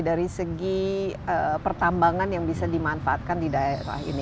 dari segi pertambangan yang bisa dimanfaatkan di daerah ini